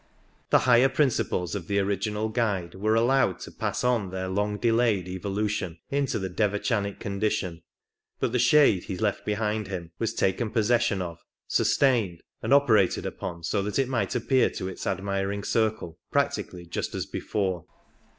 The higher principles of the original " guide " were allowed to pass on their long delayed evolution into the devachanic condition, but the shade he left behind him was taken possession of, sustained, and operated upon so that it might appear to its admiring circle practically just as before.